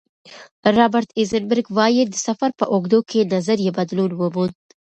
رابرټ ایزنبرګ وايي، د سفر په اوږدو کې نظر یې بدلون وموند.